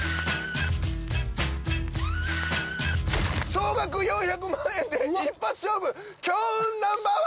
総額４００万円で一発勝負強運Ｎｏ．１